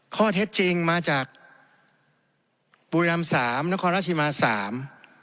ข้อเท็จจริงมาจากบุรีรำสามนครราชมาสาม